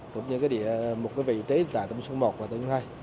cũng như cái địa một cái vị trí tại tâm sông một và tâm hai